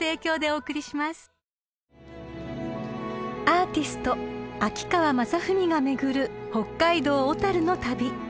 ［アーティスト秋川雅史が巡る北海道小樽の旅］